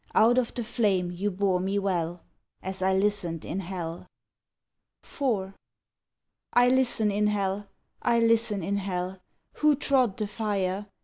Out of the flame you bore me well, As I listened in hell. IV. I listen in hell! I listen in hell! Who trod the fire?